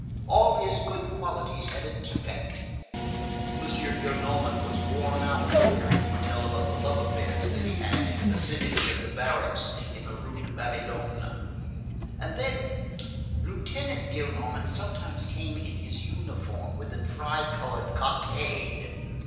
All his good qualities had a defect. M. Gillenormand was worn out with hearing him tell about the love affairs that he had in the vicinity of the barracks in the Rue de Babylone. And then, Lieutenant Gillenormand sometimes came in his uniform, with the tricolored cockade.